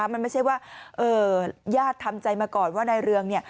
มันไม่ใช่ว่าญาติทำใจมาก่อนว่านายเรืองเนี่ย